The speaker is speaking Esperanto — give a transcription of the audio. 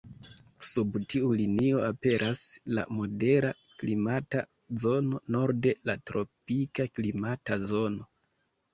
Sub tiu linio aperas la modera klimata zono, norde la tropika klimata zono.